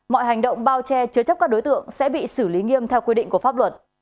mọi hành động bao che chứa chấp các đối tượng sẽ bị xử lý nghiêm theo quy định của pháp luật